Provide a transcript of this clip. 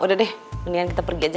udah deh mendingan kita pergi aja